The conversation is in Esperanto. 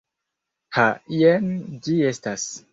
Ha, jen ĝi estas.